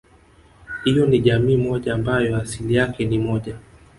Hiyo ni jamii moja ambayo asili yake ni moja